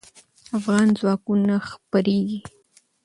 افغان ځواکونه خپرېږي.